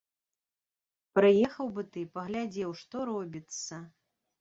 Прыехаў бы ты, паглядзеў, што робіцца.